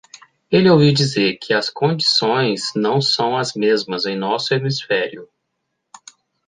Ele ouviu dizer que as condições não são as mesmas em nosso hemisfério.